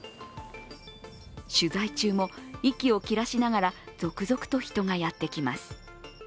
取材中も息を切らしながら続々と人がやってきます。